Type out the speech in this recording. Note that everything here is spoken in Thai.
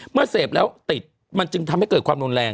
เมื่อเสพแล้วติดมันจึงทำให้เกิดความรุนแรง